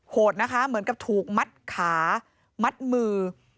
โหดนะคะเหมือนกับถูกมัดขามัดมือ